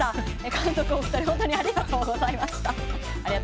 監督、お二人本当にありがとうございました。